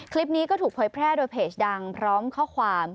คลิปนี้ก็ถูกเผยแพร่โดยเพจดังพร้อมข้อความ